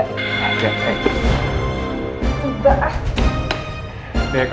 dek kamu kenapa suka ngomong kayak gitu dek